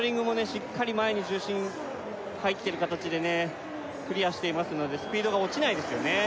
しっかり前に重心入ってる形でクリアしていますのでスピードが落ちないですよね